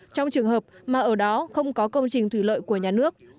trong trường hợp mà ở đó không có công trình thủy lợi của nhà nước